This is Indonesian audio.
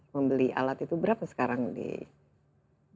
membeli alat itu berapa sekarang di